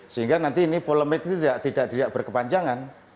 sehingga nanti ini polemiknya tidak berkepanjangan